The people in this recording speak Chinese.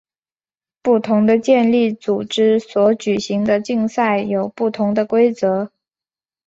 不同的健力组织所举行的竞赛有不同的规则。